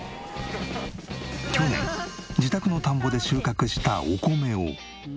去年自宅の田んぼで収穫したお米を。